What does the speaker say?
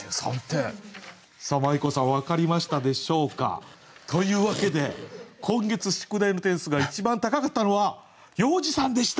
まい子さん分かりましたでしょうか？というわけで今月宿題の点数が一番高かったのは要次さんでした。